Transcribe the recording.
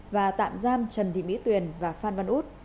và tạm giam trần thị mỹ tuyền và phan văn út